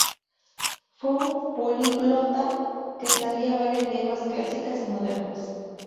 Fue un políglota que sabía varias lenguas clásicas y modernas.